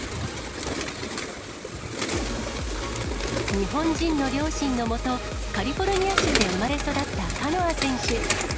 日本人の両親のもと、カリフォルニア州で生まれ育ったカノア選手。